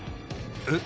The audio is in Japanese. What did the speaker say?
え？